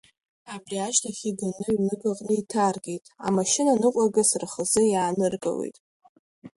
Абри ашьҭахь иганы ҩнык аҟны иҭаркит, амашьына ныҟәагас рхазы иааныркылеит.